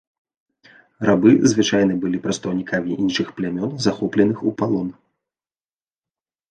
Рабы звычайна былі прадстаўнікамі іншых плямён, захопленых у палон.